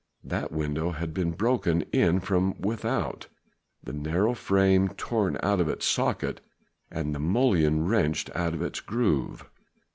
That window had been broken in from without, the narrow frame torn out of its socket and the mullion wrenched out of its groove.